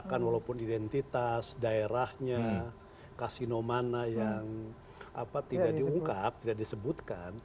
bahkan walaupun identitas daerahnya kasino mana yang tidak diungkap tidak disebutkan